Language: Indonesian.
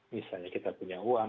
misalnya kita punya uang